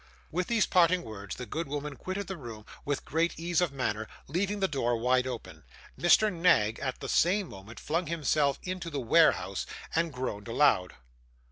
With these parting words, the good woman quitted the room with great ease of manner, leaving the door wide open; Mr. Knag, at the same moment, flung himself into the 'warehouse,' and groaned aloud.